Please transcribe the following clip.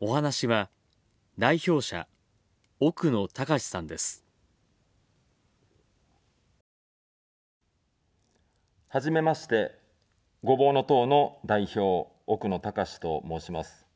はじめまして、ごぼうの党の代表、奥野卓志と申します。